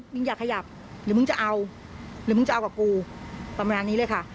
มึงอย่าขยับหรือมึงจะเอาหรือมึงจะเอากับกูประมาณนี้เลยค่ะ